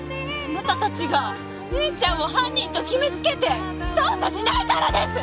あなた達がお姉ちゃんを犯人と決めつけて捜査しないからです！